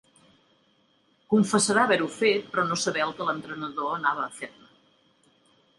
Confessarà haver-ho fet però no saber el que l'entrenador anava a fer-ne.